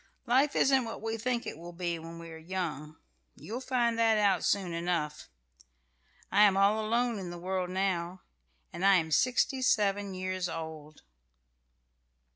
Life isn't what we think it will be when we are young. You'll find that out soon enough. I am all alone in the world now, and I am sixty seven years old."